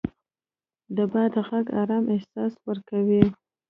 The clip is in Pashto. د باد غږ ارام احساس ورکوي